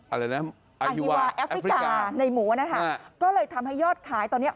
อะไรนะอาฮิวาแอฟริกาในหมูนะคะก็เลยทำให้ยอดขายตอนเนี้ย